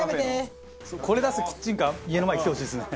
これ出すキッチンカー家の前に来てほしいですね。